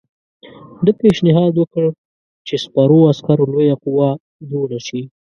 ده پېشنهاد وکړ چې سپرو عسکرو لویه قوه جوړه شي.